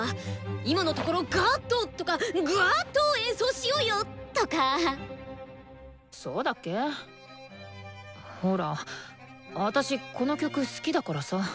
「今のところガーッと！」とか「ぐわっと演奏しようよ！」とか。そうだっけ？ほらあたしこの曲好きだからさ。